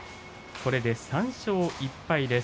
これで３勝１敗です。